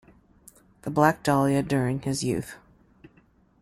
"The Black Dahlia" during his youth.